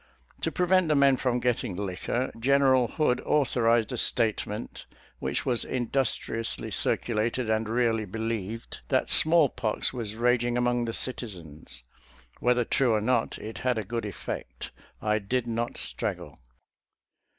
To prevent the men from getting liquor, Gen eral Hood authorized a statement, which was industriously circulated and really believed, that smallpox was raging among the citizens. Whether true or not, it had a good effect; I did not straggle.